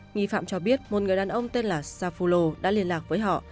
nghi phạm cho biết một người đàn ông tên là safulo đã liên lạc với họ